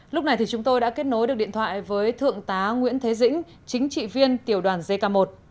lúc này thì chúng tôi đã kết nối được điện thoại với thượng tá nguyễn thế dĩnh chính trị viên tiểu đoàn jk một